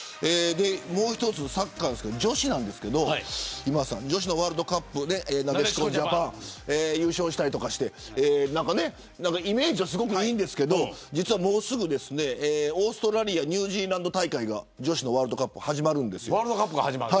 もう一つサッカーの女子なんですがワールドカップでなでしこジャパン優勝したりしてイメージはいいんですけど実はもうすぐオーストラリア＆ニュージーランド大会女子のワールドカップが始まります。